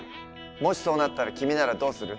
もしそうなったら君ならどうする？